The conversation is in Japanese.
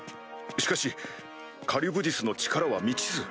しかしカリュブディスの力は未知数。